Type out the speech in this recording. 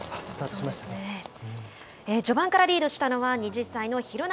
序盤からリードしたのは２０歳の廣中。